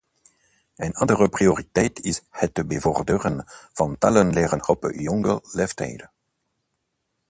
Een andere prioriteit is het bevorderen van talen leren op jonge leeftijd.